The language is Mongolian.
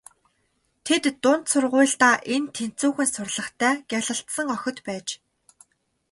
Тэд дунд сургуульдаа эн тэнцүүхэн сурлагатай гялалзсан охид байж.